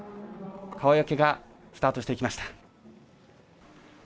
川除がスタートしていきました。